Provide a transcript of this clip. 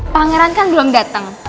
pangeran kan belum dateng